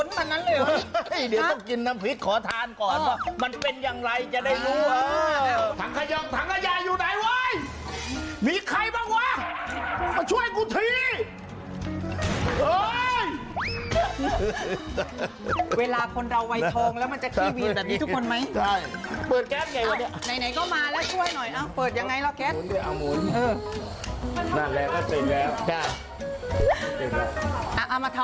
เวลาคนเราวัยทองแล้วมันจะแค่เผลียบแบบนี้ทุกคนไหม